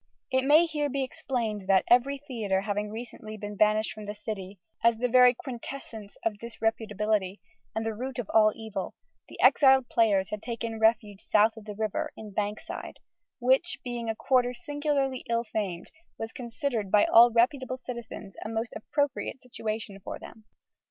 It may here be explained that, every theatre having recently been banished from the City as the very quintessence of disreputability and root of all evil, the exiled players had taken refuge south of the river, in Bankside: which, being a quarter singularly ill famed, was considered by all reputable citizens a most appropriate situation for them.